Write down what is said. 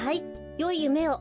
よいゆめを。